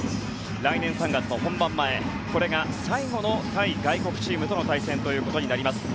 来年３月の本番前これが最後の対外国チームとの対戦ということになります。